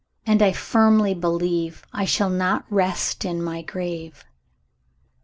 And I firmly believe I shall not rest in my grave."